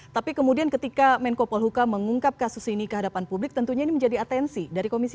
tapi kemudian ketika menko polhuka mengungkap kasus ini ke hadapan publik tentunya ini menjadi atensi dari komisi tiga